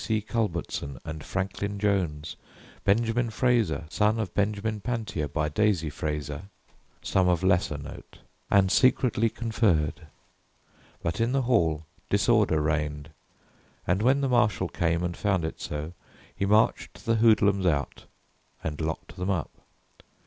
C. Culbertson and Franklin Jones, Benjamin Fraser, son of Benjamin Pantier By Daisy Fraser, some of lesser note, And secretly conferred. But in the hall Disorder reigned and when the marshal came And found it so, he marched the hoodlums out And locked them up.